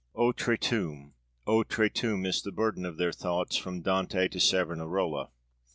Outre tombe! Outre tombe! is the burden of their thoughts, from Dante to Savonarola.